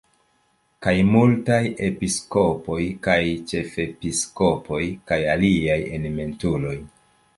Kaj multaj episkopoj kaj ĉefepiskopoj kaj aliaj eminentuloj.